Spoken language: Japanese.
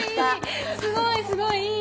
すごいすごい！いい！